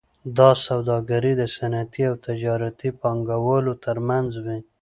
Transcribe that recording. دا سوداګري د صنعتي او تجارتي پانګوالو ترمنځ وي